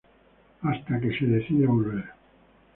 Hasta que se decide volver.